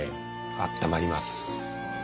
あったまります。